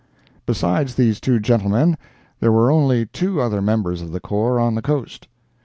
Besides these two gentlemen there are only two other members of the corps on the coast.